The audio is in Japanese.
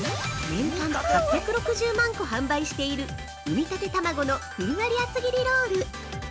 ◆年間８６０万個販売しているうみたて卵のふんわり厚切りロール。